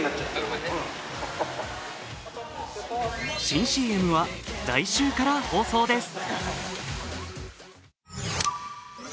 新ＣＭは来週から放送です。